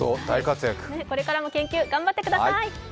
これからも研究、頑張ってください。